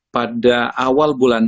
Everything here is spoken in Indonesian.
pada awal bulan